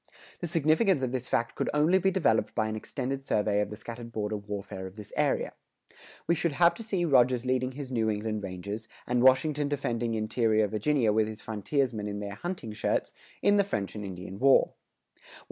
The significance of this fact could only be developed by an extended survey of the scattered border warfare of this era. We should have to see Rogers leading his New England Rangers, and Washington defending interior Virginia with his frontiersmen in their hunting shirts, in the French and Indian War.